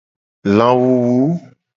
Lawuwu.